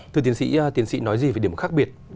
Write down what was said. thưa tiến sĩ tiến sĩ nói gì về điểm khác biệt